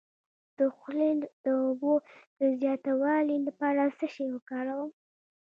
د خولې د اوبو د زیاتوالي لپاره څه شی وکاروم؟